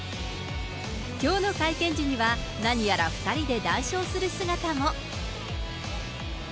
きょうの会見時には、何やら２人で談笑する姿も。